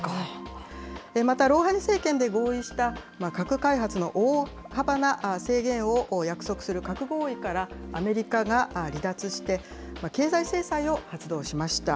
またロウハニ政権で合意した、核開発の大幅な制限を約束する核合意からアメリカが離脱して、経済制裁を発動しました。